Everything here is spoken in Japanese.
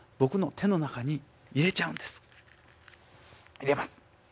入れます。